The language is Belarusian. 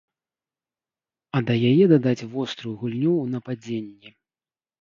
А да яе дадаць вострую гульню ў нападзенні.